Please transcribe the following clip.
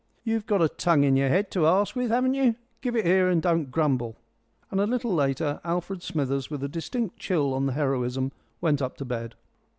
"You've got a tongue in your head to ask with, haven't you? Give it here and don't grumble." And a little later Alfred Smithers, with a distinct chill on the heroism, went up to bed.